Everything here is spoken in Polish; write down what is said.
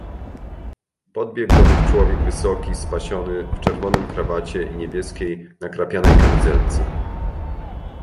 "Podbiegł do nich człowiek wysoki, spasiony w czerwonym krawacie i niebieskiej nakrapianej kamizelce."